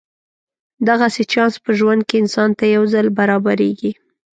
دغسې چانس په ژوند کې انسان ته یو ځل برابرېږي.